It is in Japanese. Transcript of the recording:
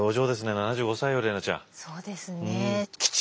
７５歳よ怜奈ちゃん。